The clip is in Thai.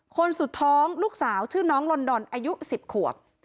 คนสุดท้องลูกสาวชื่อน้องลอนดอนอายุ๑๐ขวบ